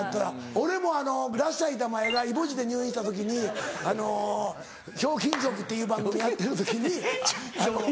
俺もラッシャー板前がいぼ痔で入院した時に『ひょうきん族』っていう番組やってる時にあの。